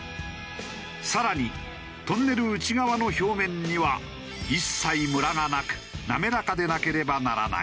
更にトンネル内側の表面には一切ムラがなく滑らかでなければならない。